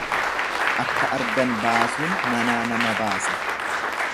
Akka argan baasuun manaa nama baasa.